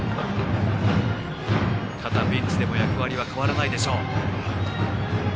ただ、ベンチでの役割も変わらないでしょう。